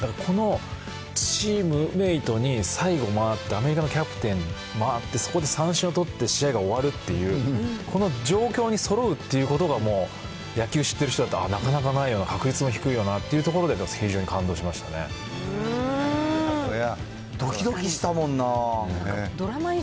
だから、このチームメートに最後回って、アメリカのキャプテンに回って、そこで三振を取って、試合が終わるっていう、その状況にそろうっていうことが、もう野球知ってる人だったら、なかなかないよな、確率も低いよなっていうところで、非常に感動どきどきしたもんな。